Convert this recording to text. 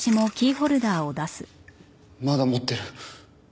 まだ持ってる。